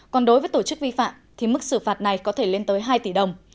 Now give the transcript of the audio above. còn đối với tổ chức vi phạm thì mức xử phạt này có thể lên tới hai tỷ đồng